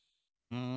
うん。